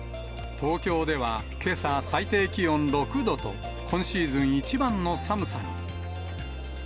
東京では、けさ最低気温６度と、今シーズン一番の寒さに。